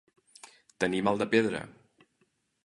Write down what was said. Tenir mal de pedra.